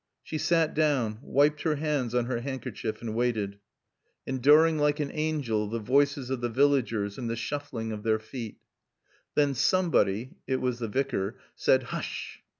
She sat down, wiped her hands on her handkerchief, and waited, enduring like an angel the voices of the villagers and the shuffling of their feet. Then somebody (it was the Vicar) said, "Hush!"